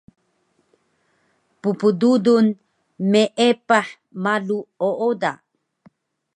ppdudul meepah malu ooda